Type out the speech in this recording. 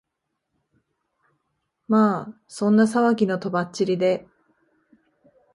まあそんな騒ぎの飛ばっちりで、